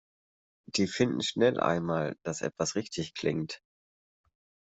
Die finden schnell einmal, dass etwas richtig klingt.